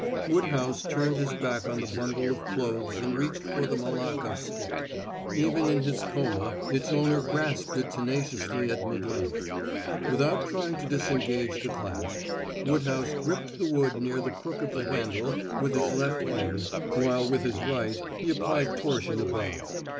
Woodhouse turned his back on the bundle of clothes and reached for the malacca stick. Even in his coma its owner grasped it tenaciously at midlength. Without trying to disengage the clasp, Woodhouse gripped the wood near the crook of the handle with his left Hand while with his right he applied torsion above.